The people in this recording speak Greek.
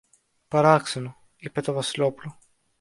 Παράξενο! είπε το Βασιλόπουλο.